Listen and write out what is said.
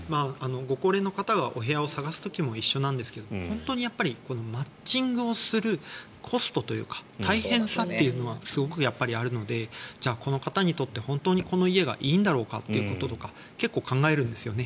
ご高齢の方はお部屋を探す時も一緒なんですけれど、本当にマッチングをするコストというか大変さというのはすごくあるのでこの方にとって、本当にこの家がいいんだろうかということとか結構考えるんですよね。